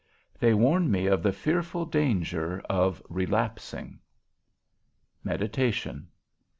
They warn me of the fearful danger of relapsing. XXIII. MEDITATION.